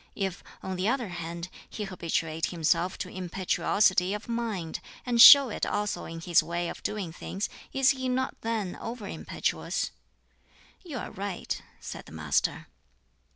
If, on the other hand, he habituate himself to impetuosity of mind, and show it also in his way of doing things, is he not then over impetuous?" "You are right," said the Master.